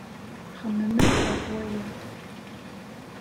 Xemmement ɣef waya.